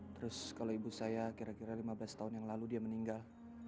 terus kalau ibu saya kira lima belas tahun yang lalu dia meninggal